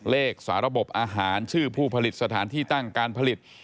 สาระบบอาหารชื่อผู้ผลิตสถานที่ตั้งการผลิต